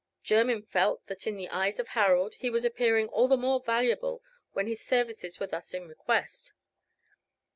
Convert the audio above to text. Jermyn felt that in the eyes of Harold he was appearing all the more valuable when his services were thus in request.